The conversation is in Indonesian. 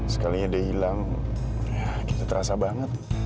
sekalinya dia hilang itu terasa banget